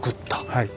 はい。